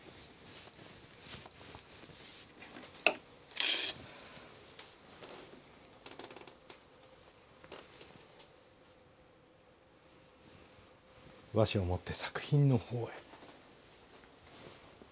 和紙を持って作品の方へ。